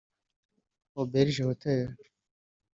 Auberge hotel